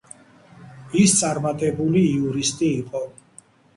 ის წარმატებული იურისტი იყო.